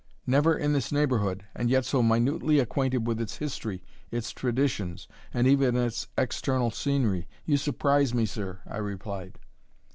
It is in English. "Never in this neighbourhood, and yet so minutely acquainted with its history, its traditions, and even its external scenery! You surprise me, sir," I replied.